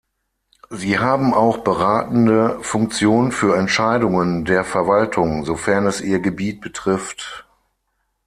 Sie haben auch beratende Funktion für Entscheidungen der Verwaltung, sofern es ihr Gebiet betrifft.